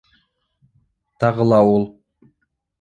Тағы ла ул...